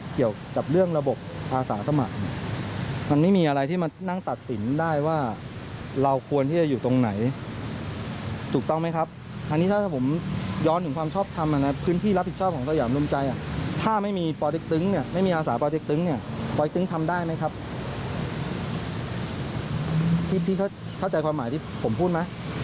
เข้าใจความหมายที่ผมพูดไหม